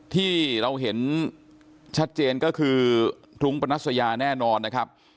ที่เราเห็นชัดเจนก็คือรุ้งปนัสยาแน่นอนนะครับ